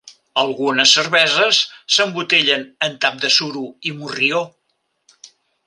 Algunes cerveses s'embotellen amb tap de suro i morrió.